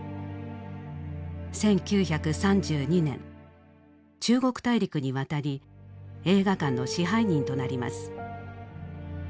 １９３２年中国大陸に渡り映画館の支配人となります。